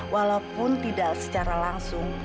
walaupun tidak secara langsung